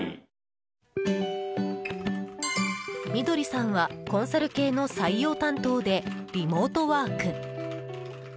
翠さんはコンサル系の採用担当で、リモートワーク。